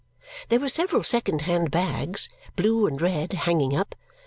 There were several second hand bags, blue and red, hanging up.